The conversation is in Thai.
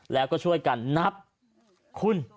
แล้วก็ช่วยกันนับคุณ